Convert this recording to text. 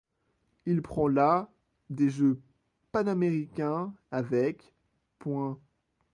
Il prend la des Jeux Panaméricains avec points.